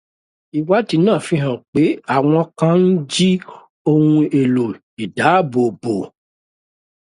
Ìwádìí náà fihàn pé àwọn kan ń jí ohun eèlò ìdáàbòbò.